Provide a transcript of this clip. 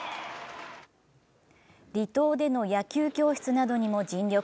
離島での野球教室などにも尽力。